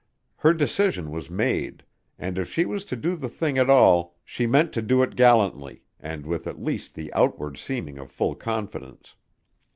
Her decision was made and if she was to do the thing at all she meant to do it gallantly and with at least the outward seeming of full confidence.